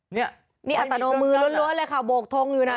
นี่อัตโนมือรวดวนเลยค่ะ